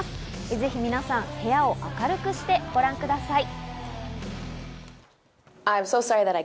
ぜひ部屋を明るくしてご覧ください。